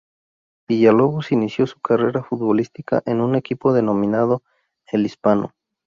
Villalobos inició su carrera futbolística en un equipo denominado "El Hispano".